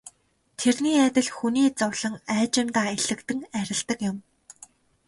Тэрний адил хүний зовлон аажимдаа элэгдэн арилдаг юм.